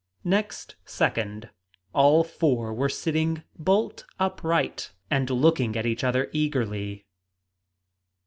Next second all four were sitting bolt upright, and looking at each other eagerly.